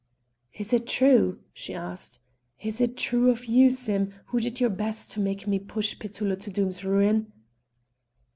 "Is it true?" she asked. "Is it true of you, Sim, who did your best to make me push Petullo to Doom's ruin?"